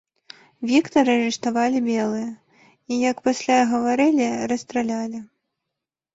Віктара арыштавалі белыя і, як пасля гаварылі, расстралялі.